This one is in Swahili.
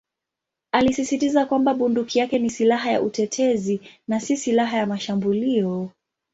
Alisisitiza kwamba bunduki yake ni "silaha ya utetezi" na "si silaha ya mashambulio".